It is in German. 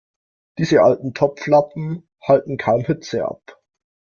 Diese alten Topflappen halten kaum Hitze ab.